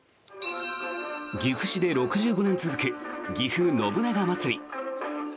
岐阜市で６５年続くぎふ信長まつり。